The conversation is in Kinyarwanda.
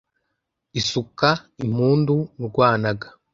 isuka impundu urwanaga